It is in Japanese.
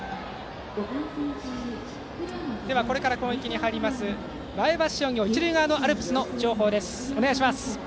これから攻撃に入ります前橋商業一塁側のアルプスの情報です。